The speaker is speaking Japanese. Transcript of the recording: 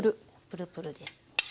プルプルです。